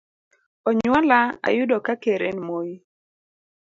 Onyuola ayudo ka ker en Moi.